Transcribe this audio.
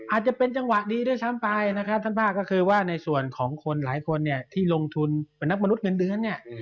อาจจะเป็นจังหวะดีด้วยซ้ำไปท่านพ่าก็คือว่าในส่วนของคนหลายคนที่ลงทุนเป็นนักมนุษย์เงินเดือน